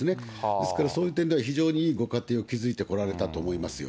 ですから、そういう点では非常にいいご家庭を築いてこられたと思いますよ。